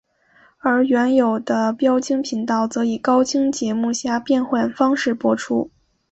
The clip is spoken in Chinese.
而原有的标清频道则以高清节目下变换方式播出。